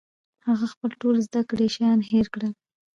هغه خپل ټول زده کړي شیان هېر کړل